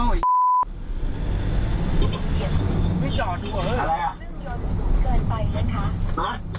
หรือเปล่า